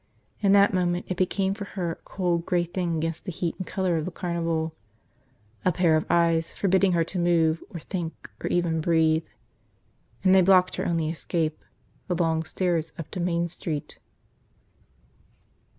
In that moment it became for her a cold gray thing against the heat and color of the carnival – a pair of eyes forbidding her to move or think or even breathe. And they blocked her only escape, the long stairs up to Main Street.